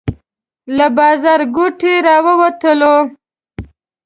له بازارګوټي راووتلو.